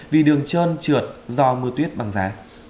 vì đường trơn trượt do mưa tuyết băng giá